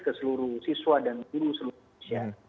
ke seluruh siswa dan guru seluruh indonesia